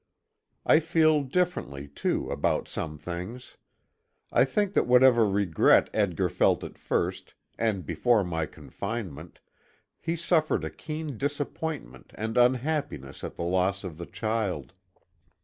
I feel differently, too, about some things. I think that whatever regret Edgar felt at first, and before my confinement, he suffered a keen disappointment and unhappiness at the loss of the child.